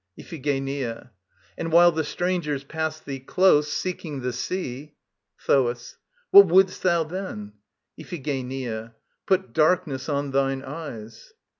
IPHIGENIA. And while the strangers pass thee close, seeking the sea ... THOAS. What wouldst thou then? IPHIGENIA. Put darkness on thine eyes.